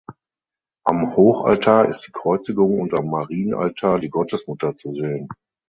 Am Hochaltar ist die Kreuzigung und am Marienaltar die Gottesmutter zu sehen.